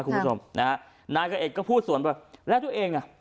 คุณผู้ชมนะฮะนายกะเอกก็พูดสวนไปแล้วตัวเองอ่ะ